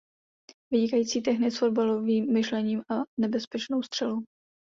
Vynikající technik s fotbalovým myšlením a nebezpečnou střelou.